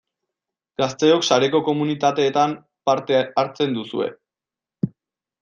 Gazteok sareko komunitateetan parte hartzen duzue.